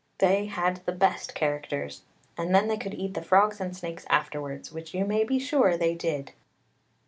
They had the best characters, and then they could eat the frogs and snakes afterwards, which you may be sure they did.